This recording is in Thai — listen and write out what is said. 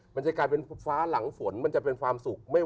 มันจะกลายเป็นฟ้าหลังฝนมันจะเป็นความสุข